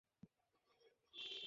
আমি ক্যামেরাটা মুভ করছি।